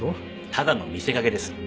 ただの見せかけです。